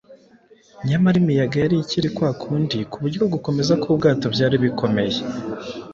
Nyamara imiyaga yari ikiri kwa kundi ku buryo gukomeza k’ubwato byari bikomeye.